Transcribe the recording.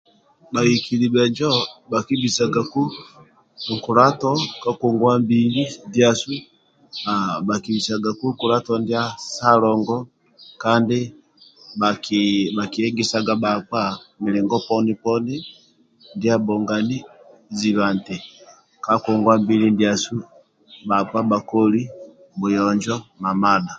Bhahikili bhenjo bhakibisagaku nkulato ka ngongua mbili ndiasu haa bhakibisagaku nkulato ndia salongo kandi bhaki bhakiegeasaga bhakpa mulingo poni poni ndia abhongani ziba nti ka ngongua mbili ndiasu bhakpa bhakoli buyonjo mamadha